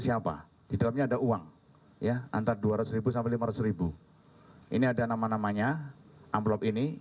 siapa di dalamnya ada uang ya antara dua ratus sampai lima ratus ribu ini ada nama namanya amplop ini